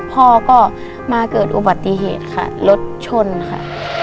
พ่อก็มาเกิดอุบัติเหตุค่ะรถชนค่ะ